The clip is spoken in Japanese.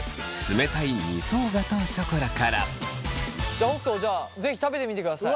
じゃあ北斗じゃあ是非食べてみてください。